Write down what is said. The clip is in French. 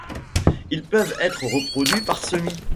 Ils peuvent être reproduits par semis.